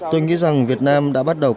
tôi nghĩ rằng việt nam đã bắt đầu